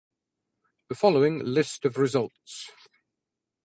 The following list of results.